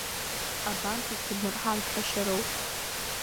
Абанҭ ак дыбмырҳан, ԥхашьароуп.